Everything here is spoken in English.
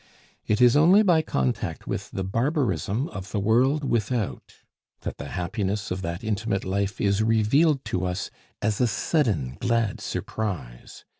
It is only by contact with the barbarism of the world without that the happiness of that intimate life is revealed to us as a sudden glad surprise.